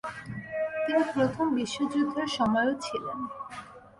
তিনি প্রথম বিশ্বযুদ্ধের সময়ও ছিলেন।